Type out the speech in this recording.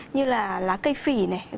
như là lá cây phỉ này